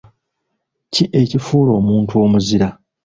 Ki ekifuula omuntu omuzira?